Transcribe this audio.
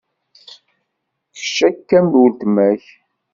Kečč akka am uttma-k.